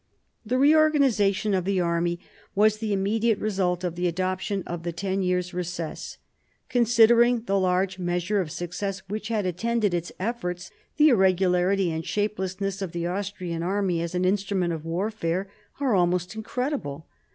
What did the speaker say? The reorganisation of the army was the immediate / result of the adoption of the Ten Years' Recess. Con J' sidering the large measure of success which had attended its efforts, the irregularity and shapelessness of the Austrian army as an instrument of warfare are almost incredible.